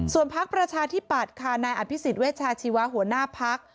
ส่วนพักประชาธิปัตย์ค่ะนายอภิษฎเวชาชีวะหัวหน้าพัก